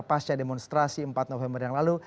pasca demonstrasi empat november yang lalu